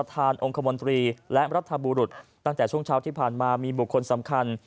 รองคมนตรีและรัฐบุรุษตั้งแต่ช่วงเช้าที่ผ่านมามีบุคคลสำคัญ